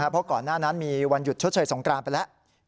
เพราะก่อนหน้านั้นมีวันหยุดชดเชยสงกรานไปแล้ว